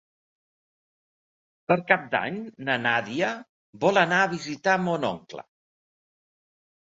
Per Cap d'Any na Nàdia vol anar a visitar mon oncle.